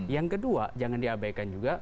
yang kedua jangan diabaikan juga